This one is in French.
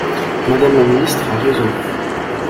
Madame la ministre a raison